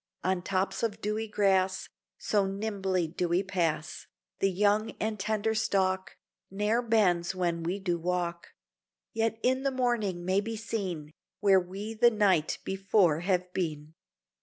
On tops of dewy grass So nimbly do we pass, The young and tender stalk Ne'er bends when we do walk; Yet in the morning may be seen Where we the night before have been.